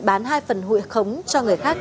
bán hai phần hụi khống cho người khác